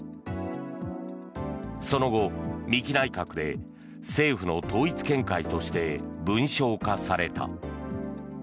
その後、三木内閣で、政府の統一見解として文章化された。